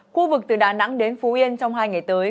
khu vực từ đà nẵng đến phú yên trong hai ngày tới